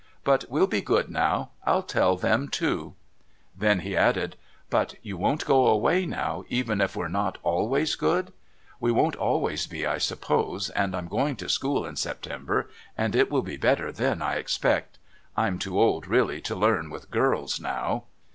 But we'll be good now. I'll tell them too " Then he added: "But you won't go away now even if we're not always good? We won't always be, I suppose; and I'm going to school in September, and it will be better then, I expect. I'm too old, really, to learn with girls now."